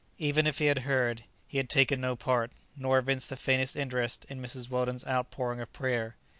Even if he had heard, he had taken no part, nor evinced the faintest interest in Mrs. Weldon's outpouring of prayer.